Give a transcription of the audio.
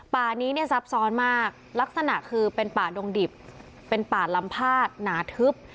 ป่านี้เนี่ยซับซ้อนมากลักษณะคือเป็นป่าดงดิบเป็นป่าลำพาดหนาทึบ